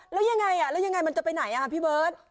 แล้วยังไงมันจะไปไหนพี่เบิร์ท